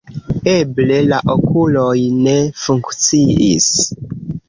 Eble, la okuloj ne funkciis.